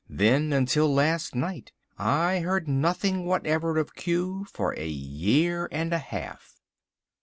Then until last night I heard nothing whatever of Q for a year and a half."